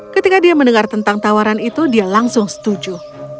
ketika dia mendengar tentang tawaran itu dia langsung setuju